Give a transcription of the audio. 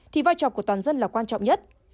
thì vai trò của toàn dân là quan trọng nhất